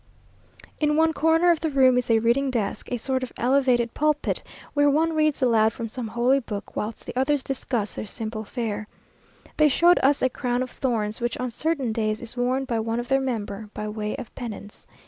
In one corner of the room is a reading desk, a sort of elevated pulpit, where one reads aloud from some holy book, whilst the others discuss their simple fare. They showed us a crown of thorns, which, on certain days, is worn by one of their number, by way of penance.